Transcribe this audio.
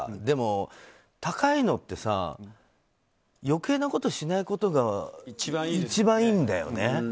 でも、高いのってさ余計なことしないことが一番いいんだよね。